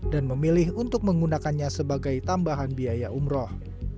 dan memilih untuk menggunakannya sebagai tambahan biaya umroh